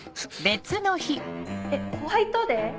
えっホワイトデー？